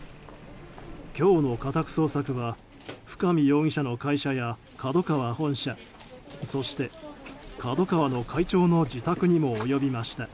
今日の家宅捜索は深見容疑者の会社やＫＡＤＯＫＡＷＡ本社そして、角川の会長の自宅にも及びました。